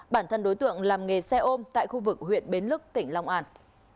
bản thân đối tượng làm nghề xe ôm tại khu vực huyện bến lức tỉnh long an